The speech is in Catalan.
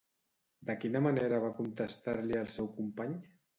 De quina manera va contestar-li el seu company?